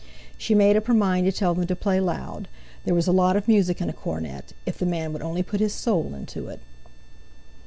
She made up her mind to tell them to play loud—there was a lot of music in a cornet, if the man would only put his soul into it.